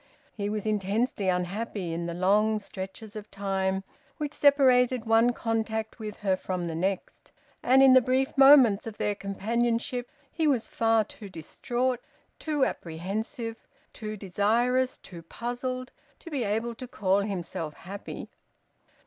He was intensely unhappy in the long stretches of time which separated one contact with her from the next. And in the brief moments of their companionship he was far too distraught, too apprehensive, too desirous, too puzzled, to be able to call himself happy.